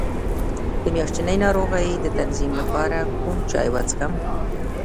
د میاشتنۍ ناروغۍ د تنظیم لپاره کوم چای وڅښم؟